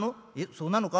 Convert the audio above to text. そうなのか？